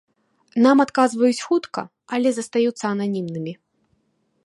Нам адказваюць хутка, але застаюцца ананімнымі.